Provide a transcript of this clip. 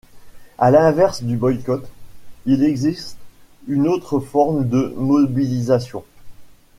À l'inverse du boycott, il existe une autre forme de mobilisation.